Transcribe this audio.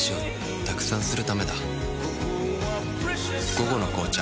「午後の紅茶」